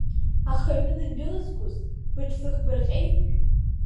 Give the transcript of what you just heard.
Аха аҩны дандәылызгоз, быҽзыхбырҟьеи?